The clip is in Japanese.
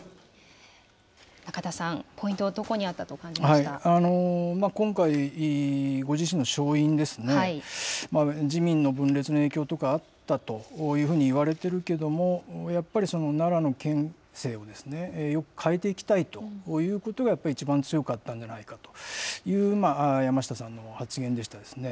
中田さん、ポイント、今回、ご自身の勝因ですね、自民の分裂の影響とか、あったというふうにいわれてるけれども、やっぱり、奈良の県政を変えていきたいということが、やっぱり一番強かったんじゃないかという、一番、山下さんの発言でしたですね。